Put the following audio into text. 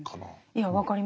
いや分かります。